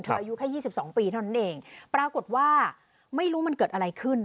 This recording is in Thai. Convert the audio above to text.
อายุแค่๒๒ปีเท่านั้นเองปรากฏว่าไม่รู้มันเกิดอะไรขึ้น